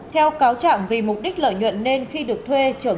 theo cáo trạm vì mục đích lợi nhuận nên khi được thuê